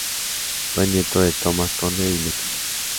Fue nieto de Tomas Conde y Luque.